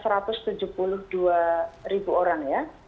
rp tiga orang ya